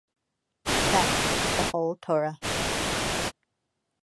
That is the whole Torah.